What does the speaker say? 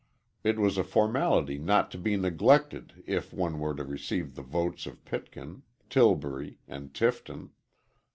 It was a formality not to be neglected if one would receive the votes of Pitkin, Till bury, and Tifton.